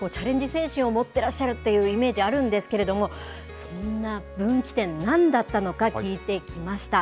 精神を持ってらっしゃるっていうイメージあるんですけれども、そんな分岐点、何だったのか、聞いてきました。